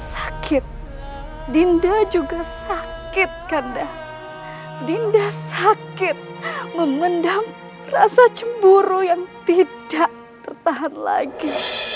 sakit dinda juga sakit kanda dinda sakit memendam rasa cemburu yang tidak tertahan lagi